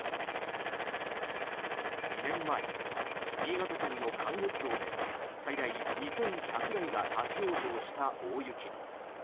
２年前、新潟県の関越道で最大２１００台が立ち往生した大雪。